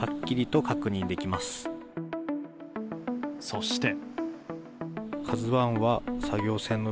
そして。